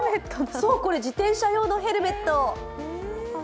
これ、自転車用のヘルメット。